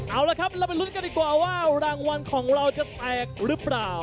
เอาละครับเราไปลุ้นกันดีกว่าว่ารางวัลของเราจะแตกหรือเปล่า